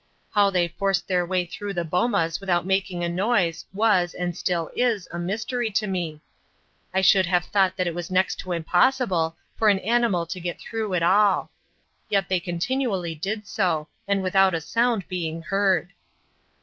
How they forced their way through the bomas without making a noise was, and still is, a mystery to me; I should have thought that it was next to impossible for an animal to get through at all. Yet they continually did so, and without a sound being heard.